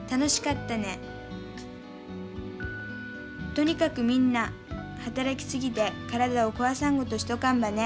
とにかくみんな働き過ぎて体を壊さんごとしとかんばね。